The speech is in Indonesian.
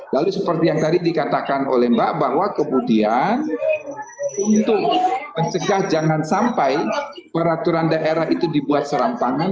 lalu seperti yang tadi dikatakan oleh mbak bahwa kemudian untuk mencegah jangan sampai peraturan daerah itu dibuat serampangan